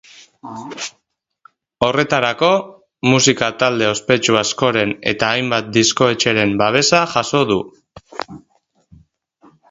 Horretarako, musika talde ospetsu askoren eta hainbat diskoetxeren babesa jaso du.